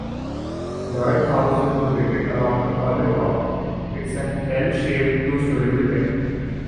Lloyd House is located along the Olive Walk, and is an "L"-shaped, two-story building.